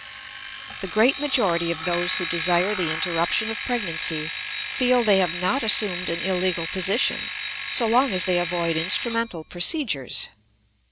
_ The great majority of those who desire the interruption of pregnancy feel they have not assumed an illegal position so long as they avoid instrumental procedures.